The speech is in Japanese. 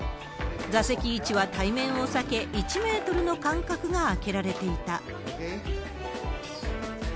座席位置は対面を避け、１メートルの間隔が空けられていた。